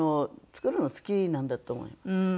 作るの好きなんだと思います。